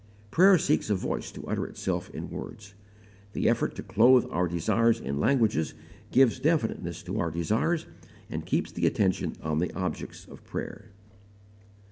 Prayer seeks a voice to utter itself in words: the effort to clothe our desires in language gives definiteness to our desires and keeps the attention on the objects of prayer.